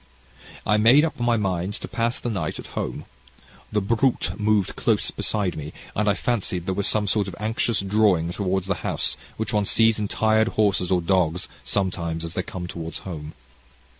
"I made up my mind to pass the night at home. The brute moved close beside me, and I fancied there was the sort of anxious drawing toward the house, which one sees in tired horses or dogs, sometimes as they come toward home.